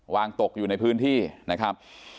วางตกอยู่ในพื้นที่นะครับ